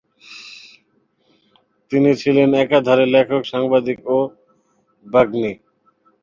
তিনি ছিলেন একাধারে লেখক, সাংবাদিক ও বাগ্মী।